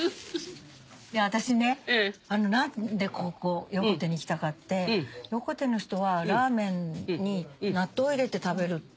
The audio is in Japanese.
私ね何でここ横手に来たかって横手の人はラーメンに納豆を入れて食べるって。